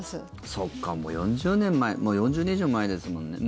そっか、もう４０年前４０年以上前ですもんね。